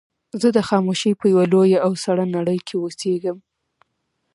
زه د خاموشۍ په يوه لويه او سړه نړۍ کې اوسېږم.